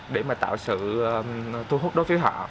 để mà tạo sự thu hút đối với họ